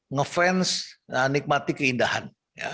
ngefans nikmati keindahan